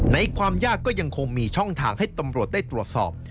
ในความยากก็ยังคงมีช่องทางให้ตำรวจได้ตรวจสอบ